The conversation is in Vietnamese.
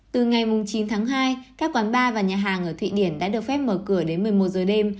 từ ngày chín tháng hai các quán bar và nhà hàng ở thụy điển đã được phép mở cửa đến một mươi một giờ đêm